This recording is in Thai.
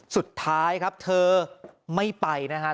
สุดท้ายครับเธอไม่ไปนะฮะ